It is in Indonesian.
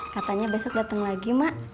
katanya besok datang lagi mak